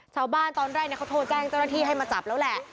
ตอนแรกเขาโทรแจ้งเจ้าหน้าที่ให้มาจับแล้วแหละ